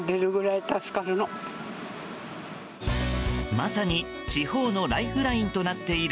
まさに地方のライフラインとなっている